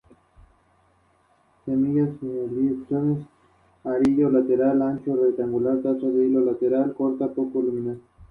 Es una de las parroquias más antiguas de la diócesis de Knoxville.